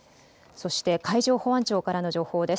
そして海上保安庁からの情報です。